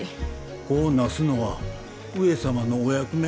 子をなすのは上様のお役目。